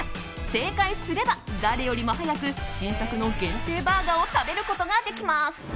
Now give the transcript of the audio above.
正解すれば誰よりも早く新作の限定バーガーを食べることができます。